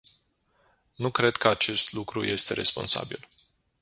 Nu cred că acest lucru este responsabil.